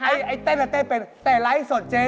ไอ้เต้นเลยเต้นเป็นแต่ไล่สดเจ๊นี่